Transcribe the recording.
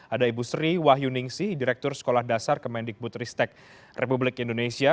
ada ibu sri wahyuningsi direktur sekolah dasar kemendikbut ristek republik indonesia